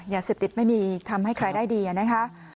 ยาเสพติดไม่มีทำให้ใครได้ดีนะคะ